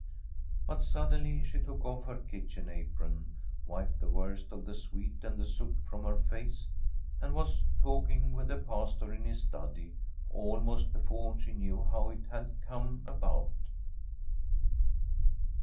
But suddenly she took off her kitchen apron, wiped the worst of the sweat and the soot from her face, and was talking with the Pastor in his study almost be fore she knew how it had come about.